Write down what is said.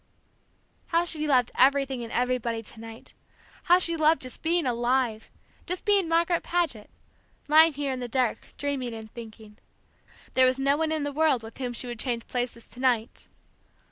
How she loved everything and everybody to night, how she loved just being alive just being Margaret Paget, lying here in the dark dreaming and thinking. There was no one in the world with whom she would change places to night!